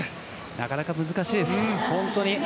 なかなか難しいです本当に。